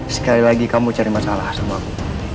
sekali lagi kamu cari masalah sama aku